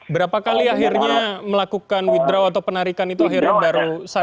berapa kali akhirnya melakukan withdraw atau penarikan itu akhirnya baru sadar